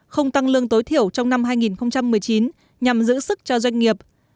không tăng lương tối thiểu trong năm hai nghìn một mươi chín nhằm giữ sức cho doanh nghiệp